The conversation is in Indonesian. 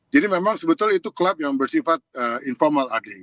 jadi memang sebetulnya itu club yang bersifat informal ading